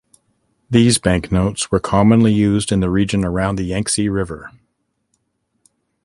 These banknotes were commonly used in the region around the Yangtze River.